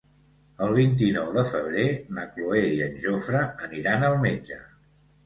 El vint-i-nou de febrer na Cloè i en Jofre aniran al metge.